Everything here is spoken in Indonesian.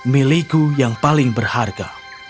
milikku yang paling berharga